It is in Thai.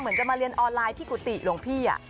จะมาเรียนออนไลน์ที่กุฏิหลวงพี่